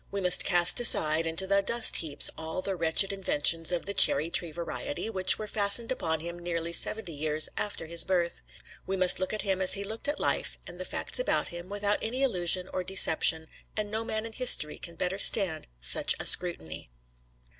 We must cast aside into the dust heaps all the wretched inventions of the cherry tree variety, which were fastened upon him nearly seventy years after his birth. We must look at him as he looked at life and the facts about him, without any illusion or deception, and no man in history can better stand such a scrutiny.